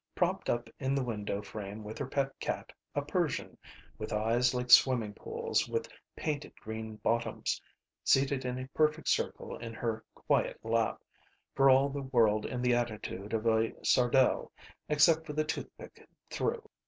Propped up in the window frame with her pet cat, a Persian, with eyes like swimming pools with painted green bottoms, seated in a perfect circle in her quiet lap, for all the world in the attitude of a sardel except for the toothpick through.